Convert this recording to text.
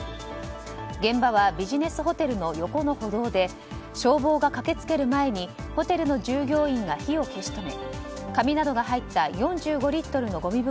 現場はビジネスホテルの横の歩道で消防が駆けつける前にホテルの従業員が火を消し止め、紙などが入った４５リットルのごみ袋